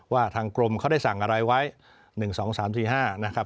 ว่าทางกรมเขาได้สั่งอะไรไว้๑๒๓๔๕นะครับ